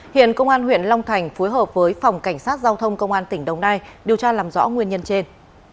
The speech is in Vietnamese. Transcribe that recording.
hiện công an huyện long thành phối hợp với phòng cảnh sát giao thông công an tỉnh đồng nai điều tra làm rõ nguyên nhân trên